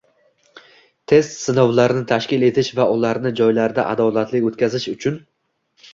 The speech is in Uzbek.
Test sinovlarini tashkil etish va ularni joylarda adolatli o‘tkazish uchun